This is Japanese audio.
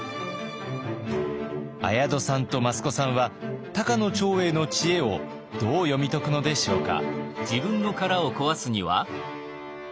綾戸さんと益子さんは高野長英の知恵をどう読み解くのでしょうか？